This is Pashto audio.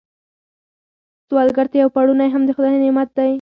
سوالګر ته یو پړونی هم د خدای نعمت دی